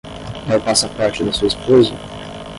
É o passaporte da sua esposa?